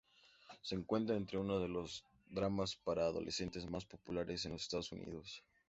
Se encuentra entre una los dramas para adolescentes más populares en los Estados Unidos.